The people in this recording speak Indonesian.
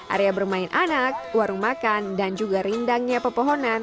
area bermain anak warung makan dan juga rindangnya pepohonan